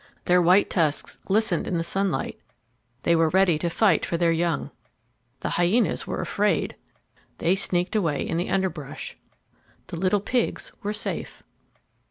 Their white tusks glistened in the sunlight. They were ready to fight for their young. The hyenas were afraid. They sneaked away in the underbrush. The little pigs were safe.